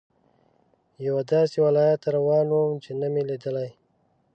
یوه داسې ولایت ته روان وم چې نه مې لیدلی.